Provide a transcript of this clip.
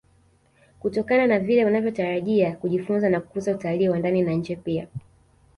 kutokana na vile unavyotarajia kujifunza na kukuza utalii wa ndani na nje pia